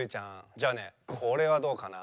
じゃあねこれはどうかな？